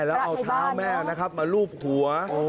แล้วเอาเท้าแม่มาลูบหัว